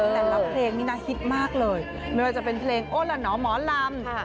แต่ละเพลงนี้นะฮิตมากเลยไม่ว่าจะเป็นเพลงโอละหนอหมอลำ